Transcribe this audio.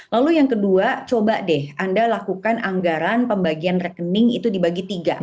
lalu yang kedua coba deh anda lakukan anggaran pembagian rekening itu dibagi tiga